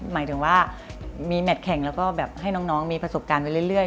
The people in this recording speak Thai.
หมายถึงว่ามีแมทแข่งแล้วก็แบบให้น้องมีประสบการณ์ไปเรื่อย